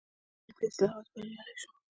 چین په اصلاحاتو بریالی شو.